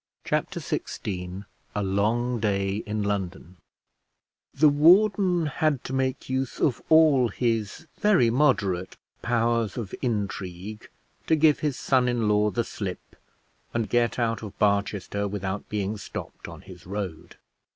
Chapter XVI A LONG DAY IN LONDON The warden had to make use of all his very moderate powers of intrigue to give his son in law the slip, and get out of Barchester without being stopped on his road.